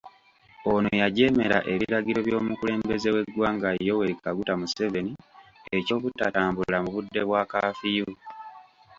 Ono yajeemera ebiragiro by'omukulembeze w'eggwanga Yoweri Kaguta Museveni eky'obutatambula mu budde bwa kaafiyu.